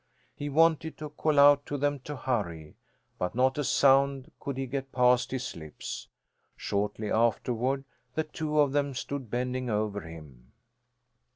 He wanted to call out to them to hurry, but not a sound could he get past his lips. Shortly afterward the two of them stood bending over him.